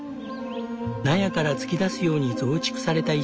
納屋から突き出すように増築された一室。